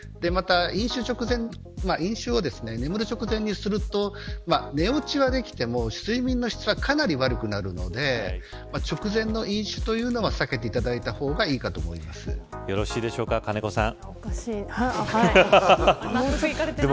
飲酒直前飲酒を眠る直前にすると寝落ちはできても睡眠の質はかなり悪くなるので直前の飲酒というのは避けていただいた方がよろしいでしょうか金子さん。